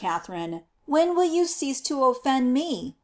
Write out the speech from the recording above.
Catherine, when will you cease to offend me?